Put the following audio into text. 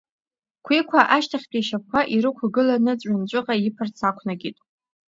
Қәиқәа ашьҭахьтәи ашьапқәа ирықәгыланы ҵәҩанҵәыҟа иԥарц ақәнакит.